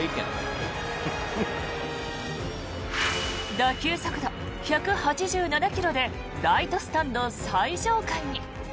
打球速度１８７ｋｍでライトスタンド最上階に。